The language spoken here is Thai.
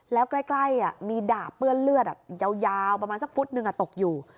แล้วใกล้มีดาบเปื้อนเลือดยาวประมาณสักฟุตหนึ่งตกอยู่